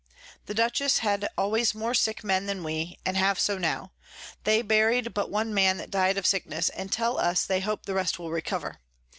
The Dutchess had always more sick Men than we, and have so now: They buried but one Man that died of Sickness, and tell us they hope the rest will recover.